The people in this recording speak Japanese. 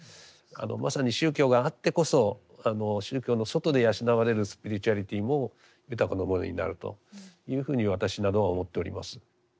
まさに宗教があってこそ宗教の外で養われるスピリチュアリティも豊かなものになるというふうに私などは思っております。